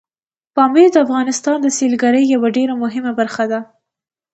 پامیر د افغانستان د سیلګرۍ یوه ډېره مهمه برخه ده.